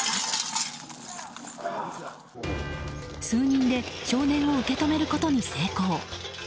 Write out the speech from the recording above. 数人で少年を受け止めることに成功。